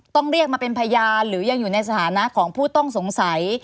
ต้องเรียกมาเป็นพยานหรือยังอยู่ในสถานะของผู้ต้องสงสัย